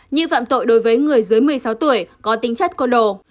như phạm tội đối với người dưới một mươi sáu tuổi có tính chất côn đồ